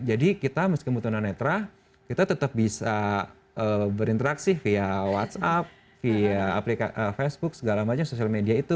jadi kita meski butuh tuna netra kita tetap bisa berinteraksi via whatsapp via facebook segala macam sosial media itu